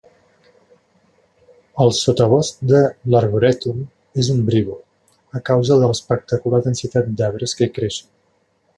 El sotabosc de l'arborètum és ombrívol a causa de l'espectacular densitat d'arbres que hi creixen.